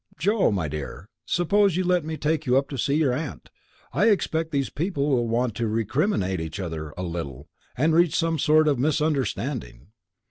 Joe, my dear, suppose you let me take you up to see your aunt. I expect these people will want to recriminate each other a little, and reach some sort of misunderstanding."